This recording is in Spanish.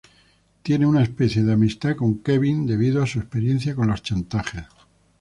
Tiene una especie de amistad con Kevin debido a su experiencia con los chantajes.